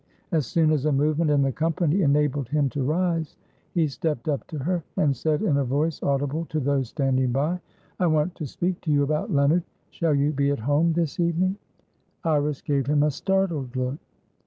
As soon as a movement in the company enabled him to rise, he stepped up to her, and said in a voice audible to those standing by: "I want to speak to you about Leonard. Shall you be at home this evening?" Iris gave him a startled look.